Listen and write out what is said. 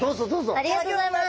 ありがとうございます。